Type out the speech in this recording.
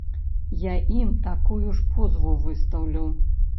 Я ім такую ж позву выстаўлю.